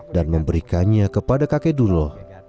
dan memberikannya kepada kakek dulo